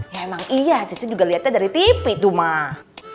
ya emang iya cici juga lihatnya dari tv tuh mah